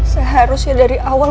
seharusnya dari awal